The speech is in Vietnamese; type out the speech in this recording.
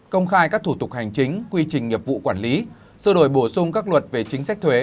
công khai các thủ tục hành chính quy trình nghiệp vụ quản lý sơ đổi bổ sung các luật về chính sách thuế